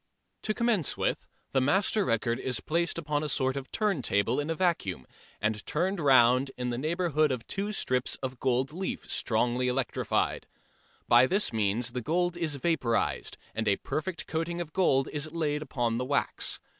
To commence with, the master record is placed upon a sort of turntable in a vacuum and turned round in the neighbourhood of two strips of gold leaf strongly electrified. By this means the gold is vaporised and a perfect coating of gold is laid upon the wax.